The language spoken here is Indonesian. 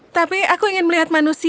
tapi aku ingin melihat manusia